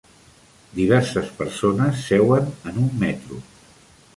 Diverses persones seuen en un metro.